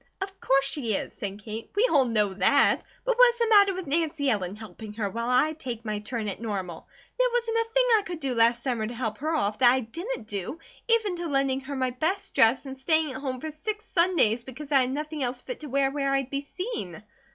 "Of course she is," said Kate. "We all know that. But what is the matter with Nancy Ellen helping her, while I take my turn at Normal? There wasn't a thing I could do last summer to help her off that I didn't do, even to lending her my best dress and staying at home for six Sundays because I had nothing else fit to wear where I'd be seen."